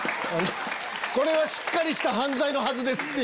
これはしっかりした犯罪のはずです！